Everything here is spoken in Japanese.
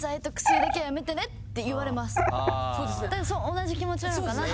同じ気持ちなのかなって。